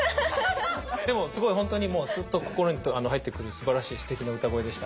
でもすごいほんとにもうスッと心に入ってくるすばらしいすてきな歌声でした。